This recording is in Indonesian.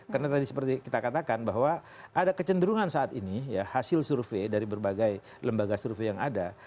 karena tadi seperti kita katakan bahwa ada kecenderungan saat ini ya hasil survei dari berbagai lembaga survei yang ada